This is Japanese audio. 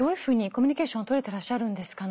コミュニケーションはとれてらっしゃるんですか？